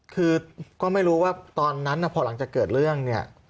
คือก็ไม่รู้ว่าตอนนั้นพอหลังจากเกิดเรื่องเนี่ย